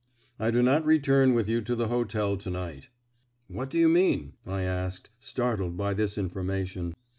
I do not return with you to the hotel to night." "What do you mean?" I asked, startled by this information.